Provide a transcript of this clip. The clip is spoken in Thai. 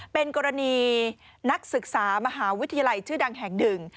เป็นกรณีนักศึกษามหาวิทยาลัยชื่อดังแห่งหนึ่ง